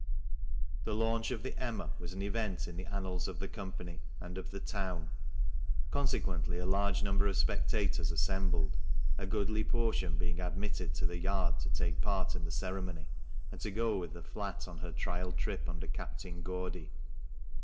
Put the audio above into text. The launch of the Emma was an event in the annals of the company, and of the town ; consequently a large number of spectators assembled, a goodly proportion being admitted to the yard to take part in the ceremony, and to go with the flat on her trial trip under Captain Gaudy.